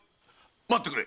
待ってくれ！